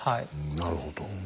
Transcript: なるほど。